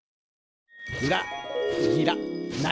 うらぎらない！